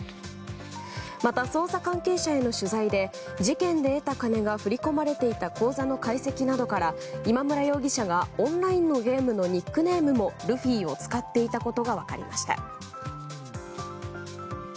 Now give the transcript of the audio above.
また捜査関係者への取材で事件で得た金が振り込まれていた口座の解析などから今村容疑者がオンラインのゲームのニックネームもルフィを使っていたことが分かりました。